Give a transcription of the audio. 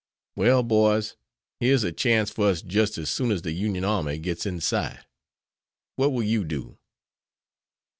Well, boys, here's a chance for us just as soon as the Union army gets in sight. What will you do?"